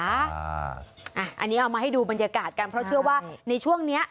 อันนี้เอามาให้ดูบรรยากาศกันเพราะเชื่อว่าในช่วงนี้